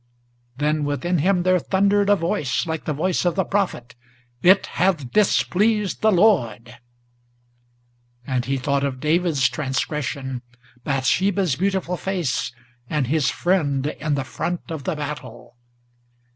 Then within him there thundered a voice, like the voice of the Prophet: "It hath displeased the Lord!" and he thought of David's transgression, Bathsheba's beautiful face, and his friend in the front of the battle!